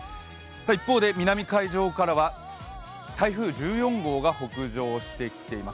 一方で南海上からは台風１４号が北上してきています。